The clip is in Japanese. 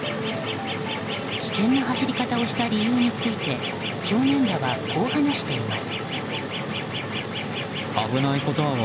危険な走り方をした理由について少年らは、こう話しています。